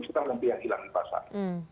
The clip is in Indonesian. kita nanti yang hilang di pasar